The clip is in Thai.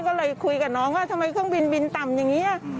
ก็เลยคุยกับน้องว่าทำไมเครื่องบินบินต่ำอย่างนี้